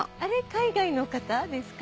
海外の方ですか？